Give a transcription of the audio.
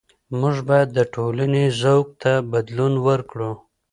موږ بايد د ټولني ذوق ته بدلون ورکړو.